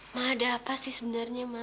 ma ada apa sih sebenarnya ma